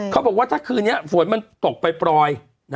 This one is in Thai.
เขาบอกว่าถ้าคืนนี้ฝนมันตกปล่อย